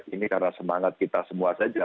ini karena semangat kita semua saja